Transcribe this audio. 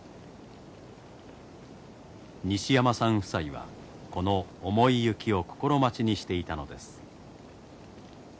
西山さん夫妻はこの重い雪を心待ちにしていたのです。